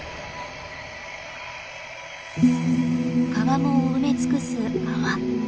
川面を埋め尽くす泡。